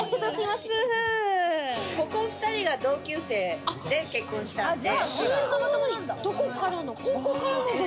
ここ２人が同級生で結婚したんで。